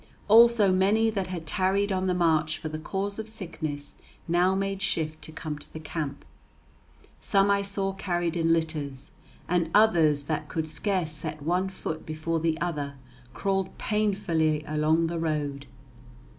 Also many that had tarried on the march for the cause of sickness now made shift to come to the camp. Some I saw carried in litters, and others that could scarce set one foot before the other crawled painfully along the road.